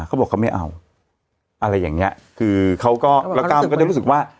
เขาบอกเขาไม่เอาอะไรอย่างเงี้ยคือเขาก็แล้วก้าวมันก็ได้รู้สึกว่า